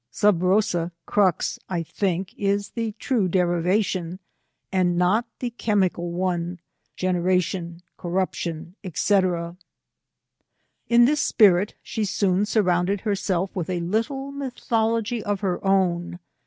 Sub roscij crux, I think, is the true derivation, and not the chemical one, generation, corruption, &c.^' In this spirit, she soon surrounded herself with a little mythology of her own.